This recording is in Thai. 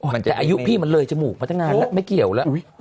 อายุพี่มันเลยจมูกมาตั้งนานแล้วไม่เกี่ยวแล้ว